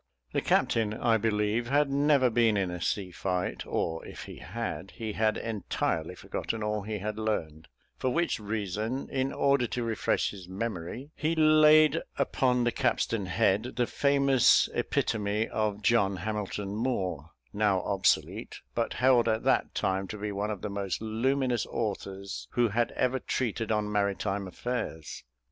The captain, I believe, had never been in a sea fight, or if he had, he had entirely forgotten all he had learned; for which reason, in order to refresh his memory, he laid upon the capstan head, the famous epitome of John Hamilton Moore, now obsolete, but held at that time to be one of the most luminous authors who had ever treated on maritime affairs.